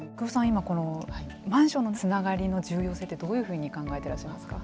今このマンションのつながりの重要性ってどういうふうに考えてらっしゃいますか。